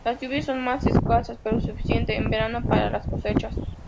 Las lluvias son más escasas, pero suficientes en verano para las cosechas.